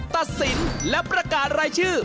ตัดสินและประกาศรายชื่อ